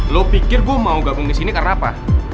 lo pikir gue mau gabung disini karena apa